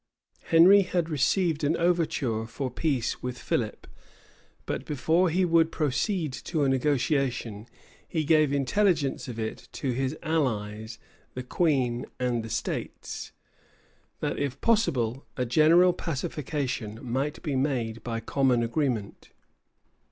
Henry had received an overture for peace with Philip; but before he would proceed to a negotiation, he gave intelligence of it to his allies, the queen and the states; that, if possible, a general pacification might be made by common agreement.